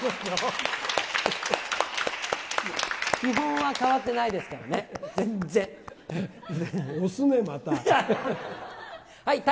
基本は変わってないですからおすね、また。